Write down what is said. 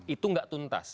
itu gak tuntas